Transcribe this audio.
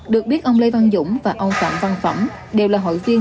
được biết ông lê văn dũng và ông phạm văn phẩm đều là hội viên